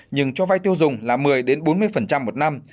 nhưng cho vay tiêu dùng là một mươi bốn mươi một năm